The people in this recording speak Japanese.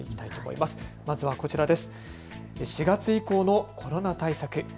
まずはこちらです。